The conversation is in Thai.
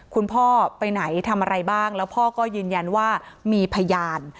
คุณพ่อไปไหนทำอะไรบ้างแล้วพ่อก็ยืนยันว่ามีพยาน